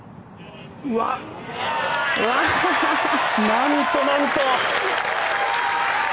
なんと、なんと。